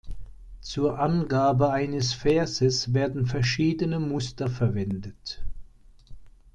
Zur Angabe eines Verses werden verschiedene Muster verwendet.